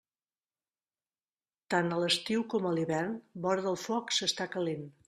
Tant a l'estiu com a l'hivern, vora del foc s'està calent.